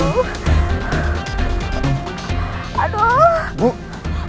aduh aduh aduh